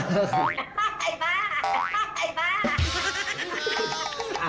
ไอ้บ้าไอ้บ้า